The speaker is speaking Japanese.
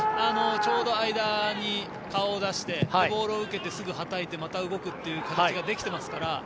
ちょうど間に顔を出してボールを受けて、すぐはたいてまた動く形ができてますから。